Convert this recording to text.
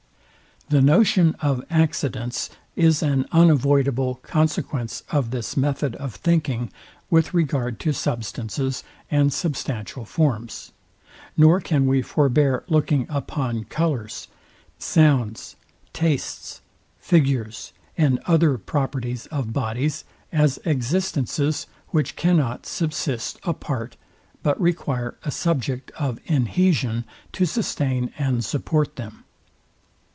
The notion of accidents is an unavoidable consequence of this method of thinking with regard to substances and substantial forms; nor can we forbear looking upon colours, sounds, tastes, figures, and other properties of bodies, as existences, which cannot subsist apart, but require a subject of inhesion to sustain and support them.